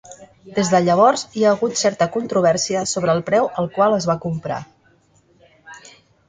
Des de llavors hi ha hagut certa controvèrsia sobre el preu al qual es va comprar.